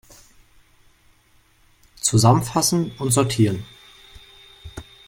Zusammenfassen und sortieren!